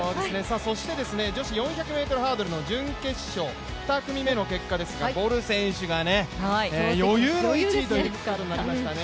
そして女子４００ｍハードルの準決勝、２組目の結果ですがボル選手が余裕の１位ということになりましたね。